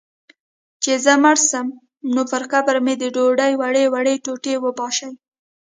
چي زه مړ سم، نو پر قبر مي د ډوډۍ وړې وړې ټوټې وپاشی